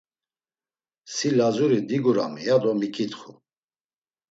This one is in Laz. Si Lazuri digurami ya do miǩitxu.